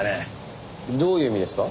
どういう意味ですか？